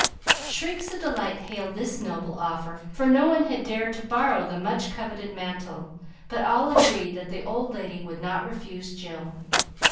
Shrieks of delight hailed this noble offer, for no one had dared to borrow the much coveted mantle, but all agreed that the old lady would not refuse Jill.